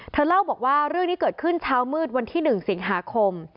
เล่าบอกว่าเรื่องนี้เกิดขึ้นเช้ามืดวันที่๑สิงหาคม